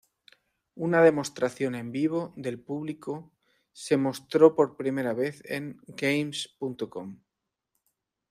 Una demostración en vivo del público se mostró por primera vez en "Games.com".